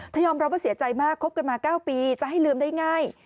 ยอมรับว่าเสียใจมากคบกันมา๙ปีจะให้ลืมได้ง่าย